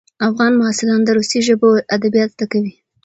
افغان محصلان د روسي ژبو ادبیات زده کوي.